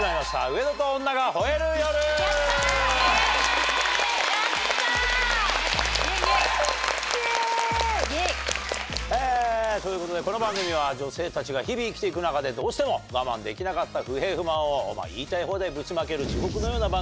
『上田と女が吠える夜』！ということでこの番組は女性たちが日々生きて行く中でどうしても我慢できなかった不平不満を言いたい放題ぶちまける。